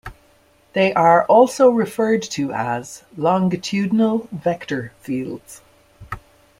They are also referred to as longitudinal vector fields.